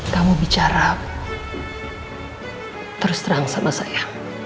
kamu bicara terus terang sama saya